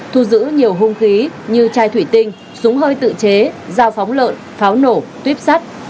thu giữ nhiều hung khí như chai thủy tinh súng hơi tự chế dao phóng lợn pháo nổ tuyếp sắt